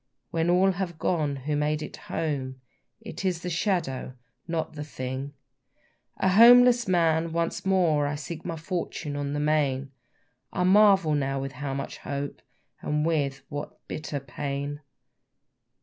When all have gone who made it home, It is the shadow, not the thing. A homeless man, once more I seek my fortune on the main: I marvel with how little hope, and with what bitter pain.